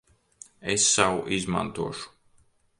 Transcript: Es savu izmantošu.